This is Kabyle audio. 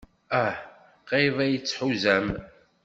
Ah, qrib ay tt-tḥuzam.